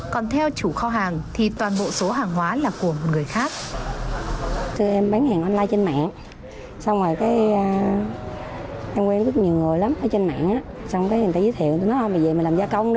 còn theo chủ kho hàng thì toàn bộ số hàng hóa